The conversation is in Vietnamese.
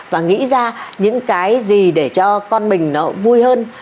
và nghĩ ra những cái gì để cho con mình nó vui hơn